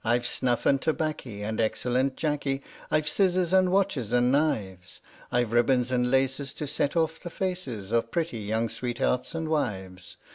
I've snuff and tobaccy and excellent " jacky," I've scissors and watches and knives, I've ribbons and laces to set off the faces Of pretty young sweethearts and wives.